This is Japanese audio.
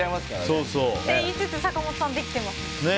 そう言いつつ、坂本さんできてますよね。